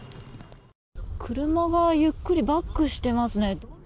車がゆっくりバックしてますね。